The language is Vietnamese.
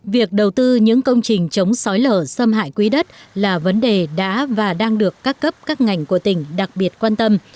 việc đầu tư những công trình chống sói lở xâm hại quý đất là vấn đề đã và đang được các cấp các ngành của tỉnh đặc biệt quan tâm